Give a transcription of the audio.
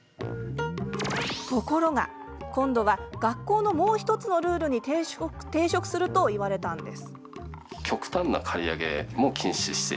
ところが今度は学校のもう１つのルールに抵触すると言われたんです。